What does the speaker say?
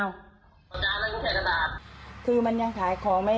คุณผู้ชมลองฟังดูนะคะ